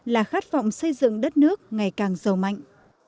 là khát vọng xây dựng đất nước ngày càng giàu mạnh